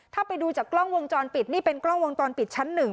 ถ้าไปดูจากกล้องวงจรปิดนี่เป็นกล้องวงจรปิดชั้นหนึ่ง